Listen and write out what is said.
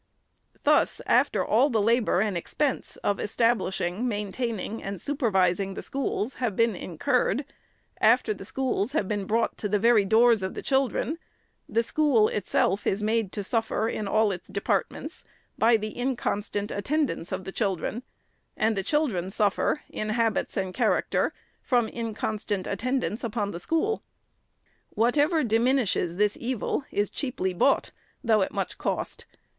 Thus after all the labor and expense of estab lishing, maintaining, and supervising the schools have been incurred, after the schools have been brought to the very doors of the children, the school itself is made to suffer in all its departments by the inconstant attend ance of the children, and the children suffer, in habits 504 THE SECRETARY'S and character, from inconstant attendance upon the school. Whatever diminishes this evil is cheaply bought, though at much cost.